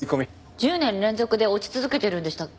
１０年連続で落ち続けてるんでしたっけ？